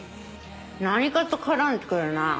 何かと絡んで来るなぁ。